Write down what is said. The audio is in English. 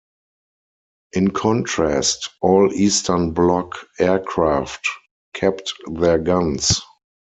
In contrast, all Eastern Bloc aircraft kept their guns.